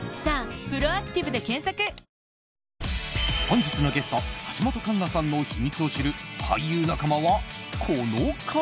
本日のゲスト橋本環奈さんの秘密を知る俳優仲間は、この方。